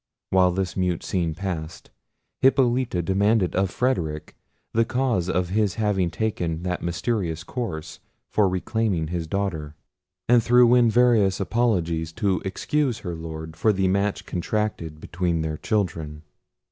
While this mute scene passed, Hippolita demanded of Frederic the cause of his having taken that mysterious course for reclaiming his daughter; and threw in various apologies to excuse her Lord for the match contracted between their children.